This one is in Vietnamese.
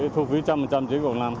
thu phí một trăm linh truyền của lộ năm